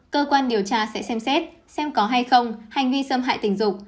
cơ quan điều tra sẽ xem xét xem có hay không hành vi xâm hại tình dục